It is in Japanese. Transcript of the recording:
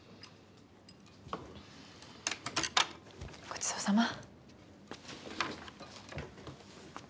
ごちそうさま。